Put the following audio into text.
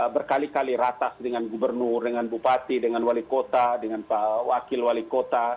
berkali kali ratas dengan gubernur dengan bupati dengan wali kota dengan wakil wali kota